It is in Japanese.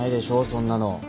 そんなの。